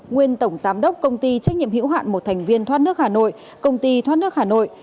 nguyên tổng giám đốc công ty trách nhiệm hữu hạn một thành viên thoát nước hà nội công ty thoát nước hà nội